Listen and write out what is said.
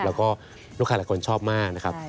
และก็ลูกค้าละกรชอบมาก